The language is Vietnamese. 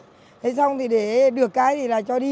thế xong thì để được cái thì là cho đi